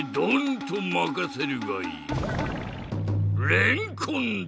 れんこんか。